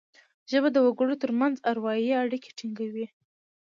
ژبه د وګړو ترمنځ اروايي اړیکي ټینګوي